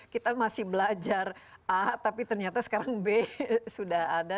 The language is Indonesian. kita masih belajar a tapi ternyata sekarang b sudah ada